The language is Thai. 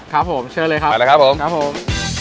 ครับผมเชิญเลยครับไปเลยครับผมครับผม